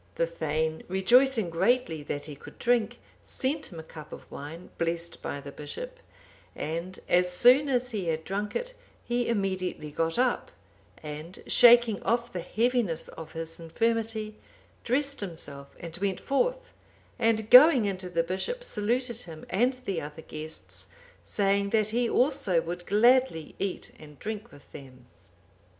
The thegn, rejoicing greatly that he could drink, sent him a cup of wine, blessed by the bishop; and, as soon as he had drunk it, he immediately got up, and, shaking off the heaviness of his infirmity, dressed himself and went forth, and going in to the bishop, saluted him and the other guests, saying that he also would gladly eat and drink with them.